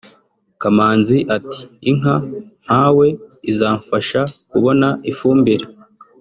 Kamanzi ati“Inka mpawe izamfasha kubona ifumbire